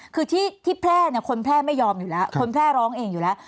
คือที่แพร่คนแพร่ไม่ยอมอยู่แล้วคนแพร่ร้องเองอยู่แล้ว